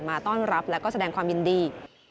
มาต้อนรับและก็แสดงความยินดี